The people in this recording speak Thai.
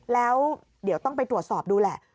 แล้วเดี๋ยวต้องไปตรวจสอบดูแหละ